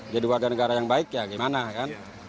jadi warga negara yang baik ya gimana kan